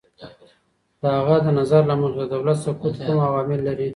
د هغه د نظر له مخې، د دولت سقوط کوم عوامل لري؟